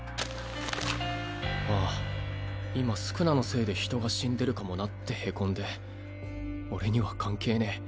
「ああ今宿儺のせいで人が死んでるかもな」ってへこんで「俺には関係ねぇ。